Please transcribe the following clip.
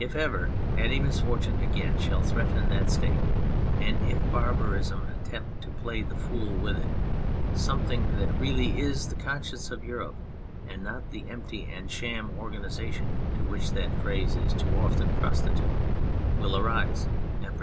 If ever any misfortune again shall threaten that State, and if barbarism attempts to play the fool with it, something that really is the conscience of Europe and not the empty and sham organisation to which that phrase is too often prostituted will arise a